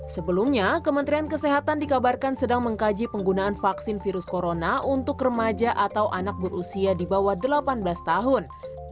sebelumnya kementerian kesehatan dikabarkan sedang mengkaji penggunaan vaksin virus corona untuk remaja atau anak berusia di bawah delapan belas tahun